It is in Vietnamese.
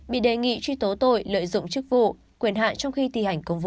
bị đề nghị truy tố tội lợi dụng chức vụ quyền hạn trong khi thi hành công vụ